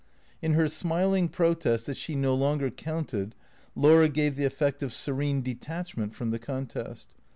In her smiling protest that she no longer counted Laura gave the effect of serene detachment from the contest.